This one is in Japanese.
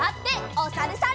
おさるさん。